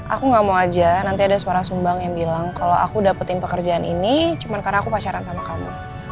aku gak mau aja nanti ada suara sumbang yang bilang kalau aku dapetin pekerjaan ini cuma karena aku pacaran sama kamu